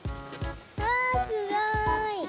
わすごい！